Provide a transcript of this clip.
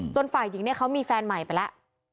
ฝ่ายหญิงเนี่ยเขามีแฟนใหม่ไปแล้ว